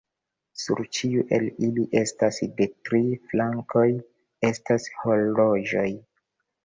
Sur ĉiu el ili estas de tri flankoj estas horloĝoj.